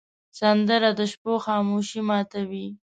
سندره د شپو خاموشي ماتوې